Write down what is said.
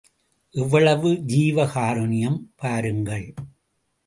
எவ்வளவு ஜீவகாருண்யம் பாருங்கள்!